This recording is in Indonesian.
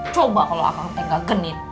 coba kalo akang teh gak genit